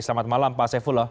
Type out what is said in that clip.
selamat malam pak saifullah